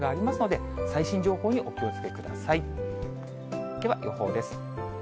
では、予報です。